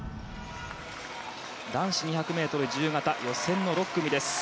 男子２００ｍ自由形予選の６組です。